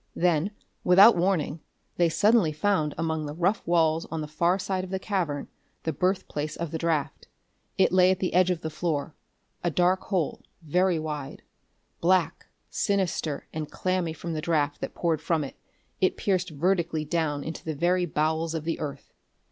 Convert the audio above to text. Then, without warning, they suddenly found among the rough walls on the far side of the cavern, the birthplace of the draft. It lay at the edge of the floor a dark hole, very wide. Black, sinister and clammy from the draft that poured from it, it pierced vertically down into the very bowels of the earth.